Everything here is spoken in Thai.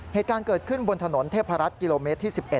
เหตุการณ์เกิดขึ้นบนถนนเทพรัฐกิโลเมตรที่๑๑